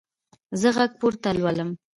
زه غږ پورته لولم.